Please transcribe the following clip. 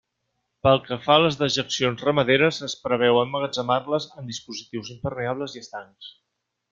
Pel que fa a les dejeccions ramaderes, es preveu emmagatzemar-les en dispositius impermeables i estancs.